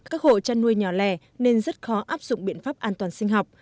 các hộ chăn nuôi nhỏ lẻ nên rất khó áp dụng biện pháp an toàn sinh học